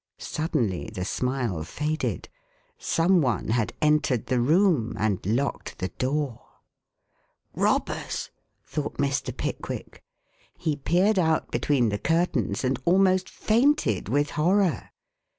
Suddenly the smile faded some one had entered the room and locked the door. "Robbers!" thought Mr. Pickwick. He peered out between the curtains and almost fainted with horror.